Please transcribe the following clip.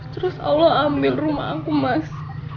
terus allah ambil rumah aku mas